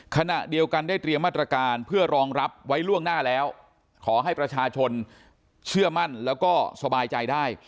ขณะเดียวกันได้เตรียมมาตรการเพื่อรองรับไว้ล่วงหน้าแล้วขอให้ประชาชนเชื่อมั่นแล้วก็สบายใจได้